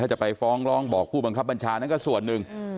ถ้าจะไปฟ้องร้องบอกผู้บังคับบัญชานั้นก็ส่วนหนึ่ง